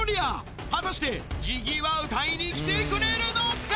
果たしてＺＩＧＧＹは歌いに来てくれるのか。